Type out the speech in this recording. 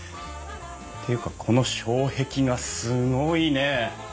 っていうかこの障壁画すごいね！